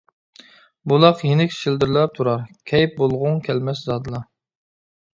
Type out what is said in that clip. بۇلاق يېنىك شىلدىرلاپ تۇرار، كەيپ بولغۇڭ كەلمەس زادىلا.